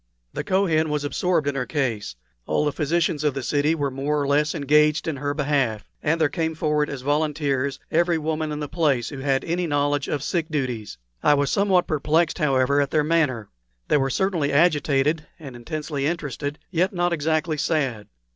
The Kohen was absorbed in her case; all the physicians of the city were more or less engaged in her behalf; and there came forward as volunteers every woman in the place who had any knowledge of sick duties. I was somewhat perplexed, however, at their manner. They were certainly agitated and intensely interested, yet not exactly sad.